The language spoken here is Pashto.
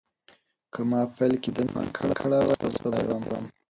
که ما په پیل کې دندې ته پام کړی وای، اوس به بډایه وم.